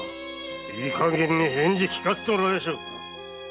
いいかげんに返事聞かせてもらいましょう。